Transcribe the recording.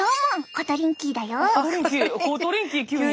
コトリンキー急に。